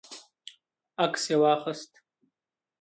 عکس یې واخیست.